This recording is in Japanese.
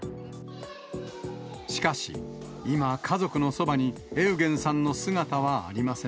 しかし、今、家族のそばにエウゲンさんの姿はありません。